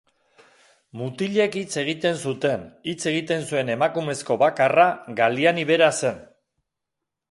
Mutilek hitz egiten zuten, hitz egiten zuen emakumezko bakarra Galiani bera zen.